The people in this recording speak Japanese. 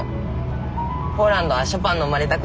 ポーランドはショパンの生まれた国です。